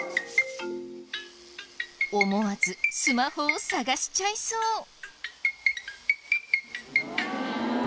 思わずスマホを探しちゃいそう。